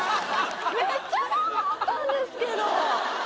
めっちゃ頑張ったんですけど。